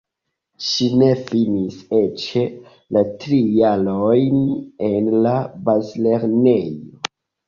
Ŝi ne finis eĉ la tri jarojn en la bazlernejo.